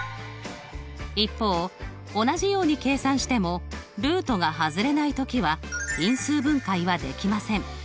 一方同じように計算してもルートが外れない時は因数分解はできません。